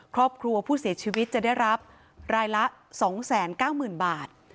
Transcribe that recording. ครอบครัวผู้เสียชีวิตจะได้รับรายละ๒๙๐๐๐บาท